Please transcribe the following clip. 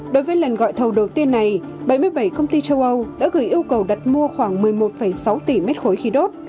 đối với lần gọi thầu đầu tiên này bảy mươi bảy công ty châu âu đã gửi yêu cầu đặt mua khoảng một mươi một sáu tỷ mét khối khí đốt